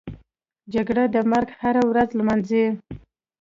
جګړه د مرګ هره ورځ نمانځي